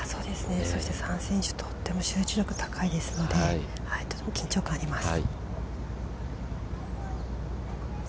３選手、とっても集中力高いですのでとても緊張感、あります。